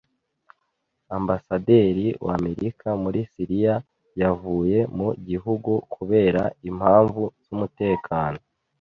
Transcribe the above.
Ambasaderi w’Amerika muri Siriya yavuye mu gihugu kubera impamvu z'umutekano.